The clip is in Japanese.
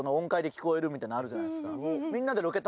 みたいなのあるじゃないですか。